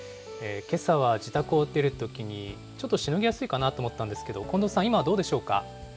けさは自宅を出るときに、ちょっとしのぎやすいかなと思ったんですけど、近藤さん、今はどうでしょうか。